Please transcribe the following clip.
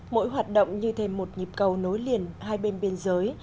mỗi hoạt động như thêm một nhịp cầu nối liền hai bên biên giới